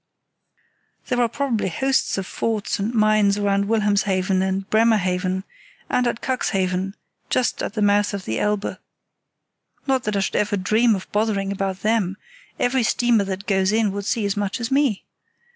There are probably hosts of forts and mines round Wilhelmshaven and Bremerhaven, and at Cuxhaven just at the mouth of the Elbe. Not that I should ever dream of bothering about them; every steamer that goes in would see as much as me.